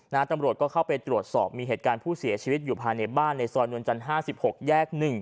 ตำรวจก็เข้าไปตรวจสอบมีเหตุการณ์ผู้เสียชีวิตอยู่ภายในบ้านในซอยนวลจันทร์๕๖แยก๑